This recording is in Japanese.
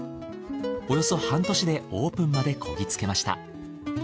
およそ半年でオープンまでこぎつけました。